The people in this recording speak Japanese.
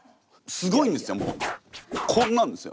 すごいんですよ